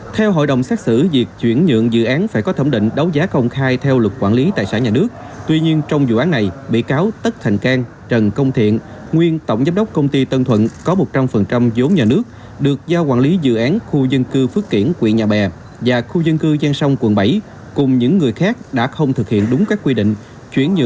theo hội đồng xét xử việc chuyển nhượng dự án